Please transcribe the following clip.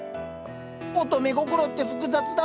乙女心って複雑だ。